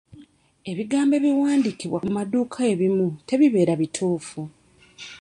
Ebigambo ebiwandiikibwa ku maduuka ebimu tebibeera bituufu.